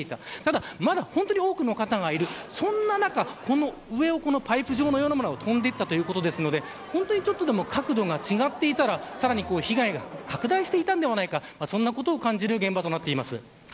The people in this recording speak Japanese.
ただ、まだ本当に多くの方がいるそんな中、この上をパイプ状のようなものが飛んでいたということなのでちょっとでも角度が違っていたらさらに被害が拡大したのではないかそんなことを感じる現場となっています。